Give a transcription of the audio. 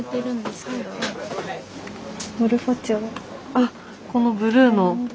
あっこのブルーの。